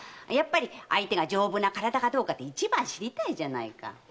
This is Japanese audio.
やっぱり相手が丈夫な体かどうか一番知りたいじゃないか。